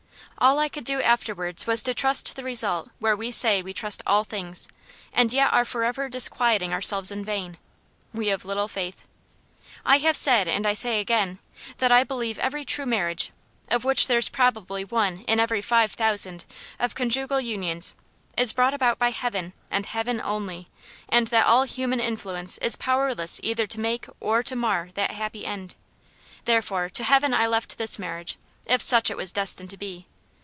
All I could do afterwards was to trust the result where we say we trust all things, and yet are for ever disquieting ourselves in vain we of little faith! I have said, and I say again, that I believe every true marriage of which there is probably one in every five thousand of conjugal unions is brought about by heaven, and heaven only; and that all human influence is powerless either to make or to mar that happy end. Therefore, to heaven I left this marriage, if such it was destined to be.